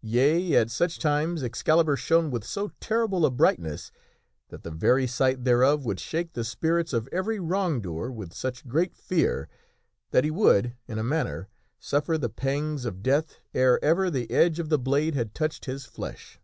Yea ; at such times Excalibur shone with so terrible a brightness that the very sight thereof would shake the spirits of every wrong doer with such great fear that he would, in a manner, suffer the pangs of death ere ever the edge of the blade had touched his flesh.